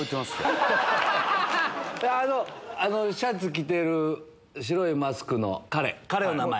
あのシャツ着てる白いマスクの彼の名前。